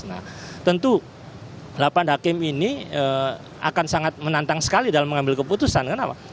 nah tentu delapan hakim ini akan sangat menantang sekali dalam mengambil keputusan kenapa